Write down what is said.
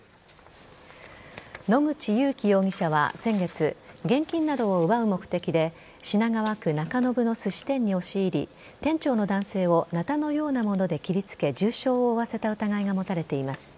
野口勇樹容疑者は先月現金などを奪う目的で品川区中延のすし店に押し入り店長の男性をなたのようなもので切りつけ重症を負わせた疑いが持たれています。